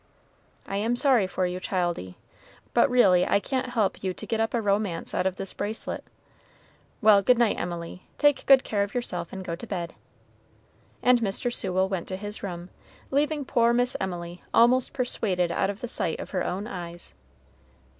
I am sorry for you, childie, but really I can't help you to get up a romance out of this bracelet. Well, good night, Emily; take good care of yourself and go to bed;" and Mr. Sewell went to his room, leaving poor Miss Emily almost persuaded out of the sight of her own eyes.